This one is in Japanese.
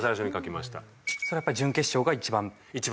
それはやっぱり準決勝が一番。